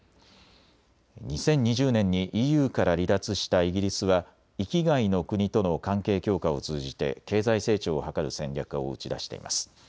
２０２０年にＥＵから離脱したイギリスは域外の国との関係強化を通じて経済成長を図る戦略を打ち出しています。